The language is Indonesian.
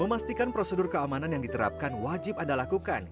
memastikan prosedur keamanan yang diterapkan wajib anda lakukan